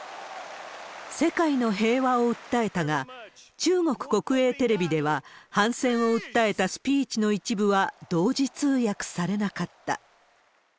世界の平和を訴えたが、中国国営テレビでは、反戦を訴えたスピーチの一部は同時通訳されなかった。